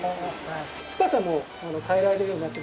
深さも変えられるようになってまして。